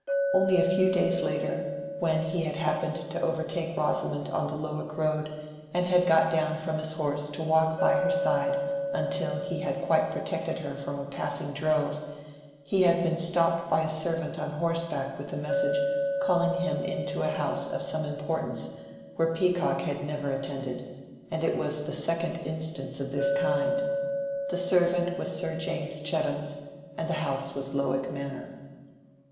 Only a few days later, when he had happened to overtake Rosamond on the Lowick road and had got down from his horse to walk by her side until he had quite protected her from a passing drove, he had been stopped by a servant on horseback with a message calling him in to a house of some importance where Peacock had never attended; and it was the second instance of this kind. The servant was Sir James Chettam's, and the house was Lowick Manor.